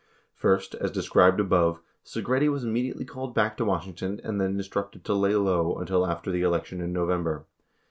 First, as described above, Segretti was immediately called back to Washington, and then instructed to "lay low" until after the election in November.